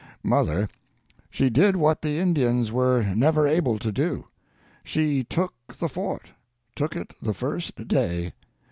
Mother, she did what the Indians were never able to do. She took the Fort—took it the first day!